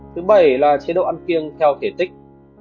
thứ bảy là chế độ ăn kiêng theo thể tích